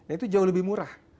itu jauh lebih murah